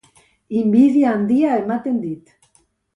Inbidia handia ematen dit.